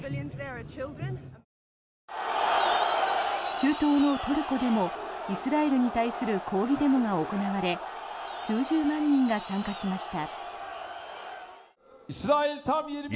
中東のトルコでもイスラエルに対する抗議デモが行われ数十万人が参加しました。